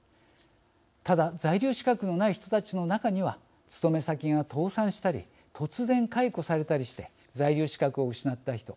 ただ、在留資格のない人たちの中には勤め先が倒産したり突然、解雇されたりして在留資格を失った人。